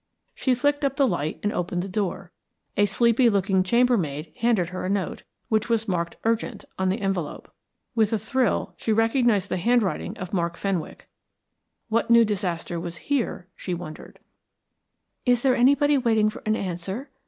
She flicked up the light and opened the door. A sleepy looking chambermaid handed her a note, which was marked "Urgent" on the envelope. With a thrill, she recognised the handwriting of Mark Fenwick. What new disaster was here? she wondered. "Is there anybody waiting for an answer?"